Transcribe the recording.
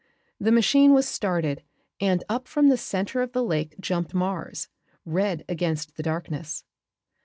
The machine was started and up from the center of the Lake jumped Mars, red against the darkness.